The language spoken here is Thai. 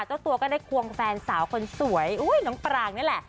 เจ้าตัวก็ได้ควงแฟนสาวคนสวยน้องปรางนี่แหละ